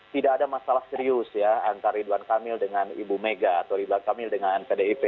tidak ada masalah serius ya antara ridwan kamil dengan ibu mega atau ridwan kamil dengan pdip